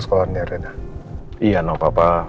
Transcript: sekolahnya rena iya no papa